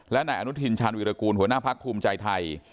และนายอนุทินชาญวิรากูลหัวหน้าพักภูมิใจไทย